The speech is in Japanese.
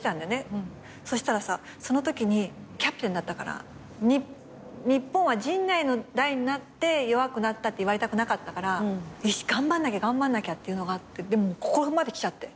そしたらさそのときにキャプテンだったから日本は陣内の代になって弱くなったって言われたくなかったから頑張んなきゃ頑張んなきゃっていうのがあってここらへんまできちゃって。